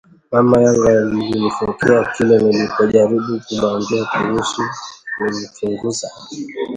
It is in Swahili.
Mama yangu alinifokea kila nilipojaribu kumwambia kuhusu kumchunguza